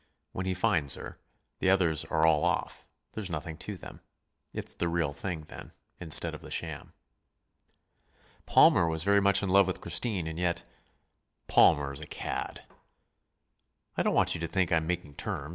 When he finds her, the others are all off there's nothing to them. It's the real thing then, instead of the sham." "Palmer was very much in love with Christine, and yet " "Palmer is a cad." "I don't want you to think I'm making terms.